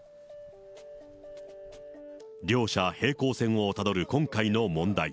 両者平行線をたどる今回の問題。